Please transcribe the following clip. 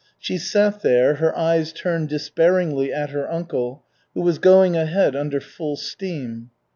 She sat there, her eyes turned despairingly at her uncle, who was going ahead under full steam.